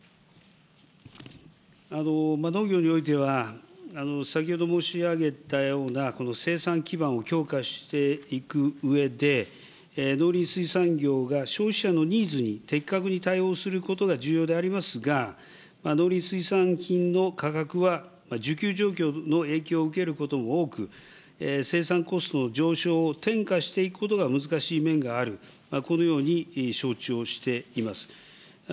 農業においては、先ほど申し上げたような、生産基盤を強化していくうえで、農林水産業が消費者のニーズに的確に対応することが重要でありますが、農林水産品の価格は需給状況の影響を受けることも多く、生産コストの上昇を転嫁していくことが難しい面がある、このように承知をしています。